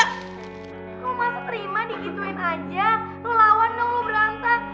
kok maku terima digituin aja lo lawan dong lo berantem